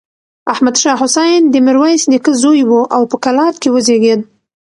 احمد شاه حسين د ميرويس نيکه زوی و او په کلات کې وزېږېد.